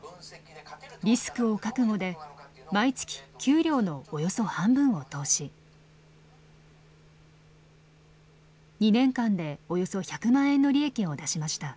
リスクを覚悟で毎月給料のおよそ半分を投資。２年間でおよそ１００万円の利益を出しました。